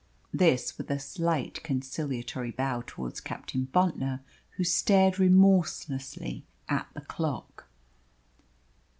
This with a slight conciliatory bow towards Captain Bontnor, who stared remorselessly at the clock.